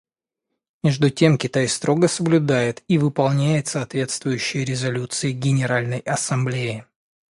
Между тем Китай строго соблюдает и выполняет соответствующие резолюции Генеральной Ассамблеи.